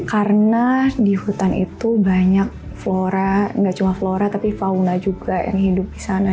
karena di hutan itu banyak flora gak cuma flora tapi fauna juga yang hidup di sana